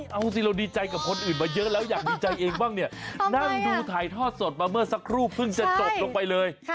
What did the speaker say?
เอาสิเราดีใจกับคนอื่นมาเยอะแล้วอยากดีใจเองบ้างเนี่ยนั่งดูถ่ายทอดสดมาเมื่อสักครู่เพิ่งจะจบลงไปเลย